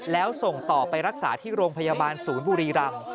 แล้วส่งต่อไปรักษาที่โรงพยาบาลศูนย์บุรีรำ